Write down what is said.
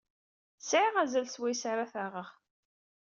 Sɛiɣ azal swayes ara t-aɣeɣ.